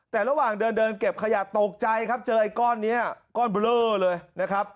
แต่ระหว่างเดินเดินเก็บขยะตกใจครับเจอไอ้ก้อนนี้ก้อนเบลอเลยนะครับ